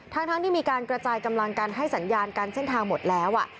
ทั้งที่มีการกระจายกำลังกันให้สัญญาณกันเส้นทางหมดแล้ว